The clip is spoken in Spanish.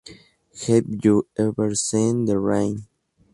Have You Ever Seen the Rain?